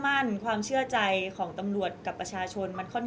มิวยังมั่นใจนะคะว่ายังมีเจ้าหน้าที่ตำรวจอีกหลายคนที่พร้อมจะให้ความยุติธรรมกับมิว